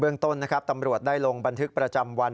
เมืองต้นตำรวจได้ลงบันทึกประจำวัน